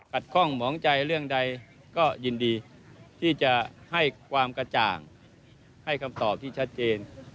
ข้องหมองใจเรื่องใดก็ยินดีที่จะให้ความกระจ่างให้คำตอบที่ชัดเจน